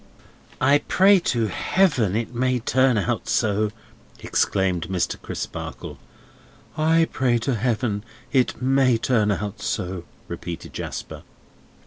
"I pray to Heaven it may turn out so!" exclaimed Mr. Crisparkle. "I pray to Heaven it may turn out so!" repeated Jasper.